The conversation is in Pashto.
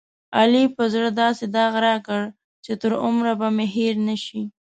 علي په زړه داسې داغ راکړ، چې تر عمره به مې هېر نشي.